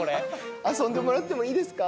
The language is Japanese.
遊んでもらってもいいですか？